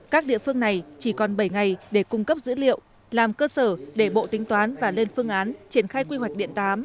các địa phương này chỉ còn bảy ngày để cung cấp dữ liệu làm cơ sở để bộ tính toán và lên phương án triển khai quy hoạch điện tám